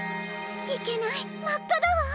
いけないまっかだわ！